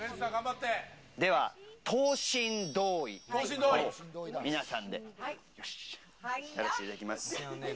では唐船ドーイ、皆さんでやらせていただきます。